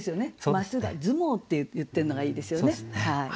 「松葉相撲」って言ってるのがいいですよね。